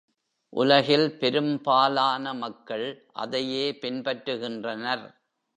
உலகில் பெரும்பாலான மக்கள் அதையே பின்பற்றுகின்றனர்.